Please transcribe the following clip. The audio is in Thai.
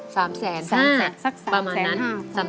๓แสน๕ประมาณนั้น